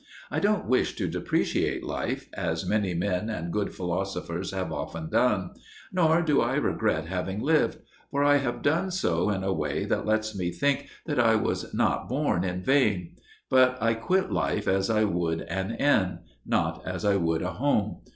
I don't wish to depreciate life, as many men and good philosophers have often done; nor do I regret having lived, for I have done so in a way that lets me think that I was not born in vain. But I quit life as I would an inn, not as I would a home.